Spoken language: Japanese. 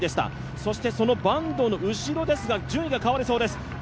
そしてその坂東の後ろですが、順位が変わりそうです。